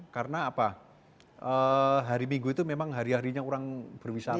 karena apa hari minggu itu memang hari harinya orang berwisata